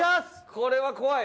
これは怖い。